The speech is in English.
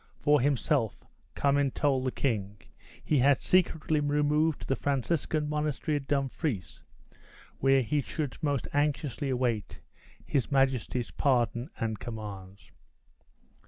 For himself, Cummin told the kind he had secretly removed to the Franciscan monastery at Dumfries, where he should most anxiously await his majesty's pardon and commands."